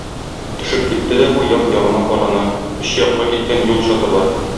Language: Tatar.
Төшеп китте дә бу як-ягына карана: өч якка киткән юл чаты бар.